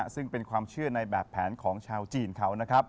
ซึ่งเป็นความเชื่อในแบบแผนของชาวจีนเขานะครับ